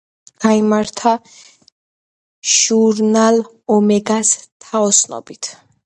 გაიმართა ჟურნალ „ომეგას“ თაოსნობით.